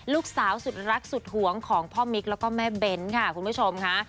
ลูกสาวสุดรักสุดหวงของพ่อมิ๊กแล้วก็แม่เบ้นค่ะคุณผู้ชมค่ะ